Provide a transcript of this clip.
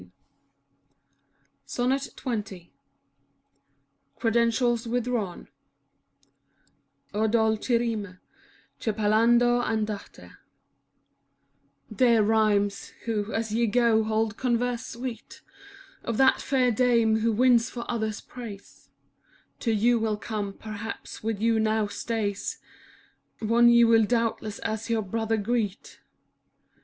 3 SONNET XX CREDENTIALS WITHDRAWN dolc'i rime, che parlando andate Dear rhymes, who, as ye go, hold converse sweet Of that fair dame who wins for others praise : To you will come, perhaps with you now stays, One ye will doubtless as your brother greet.